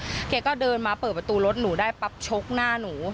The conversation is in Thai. แล้วแกก็เดินมาเปิดประตูรถหนูได้ปั๊บชกหน้าหนู